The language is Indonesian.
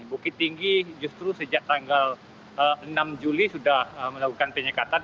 bukit tinggi justru sejak tanggal enam juli sudah melakukan penyekatan